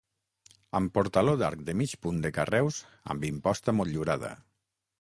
Amb portaló d'arc de mig punt de carreus amb imposta motllurada.